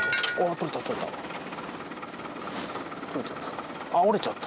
取れちゃった。